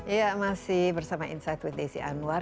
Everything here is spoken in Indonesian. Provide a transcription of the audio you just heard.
ya masih bersama insight with desy anwar